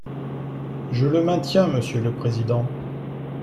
Je le maintiens, monsieur le président.